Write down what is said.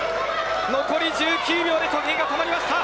残り１９秒で時計が止まりました。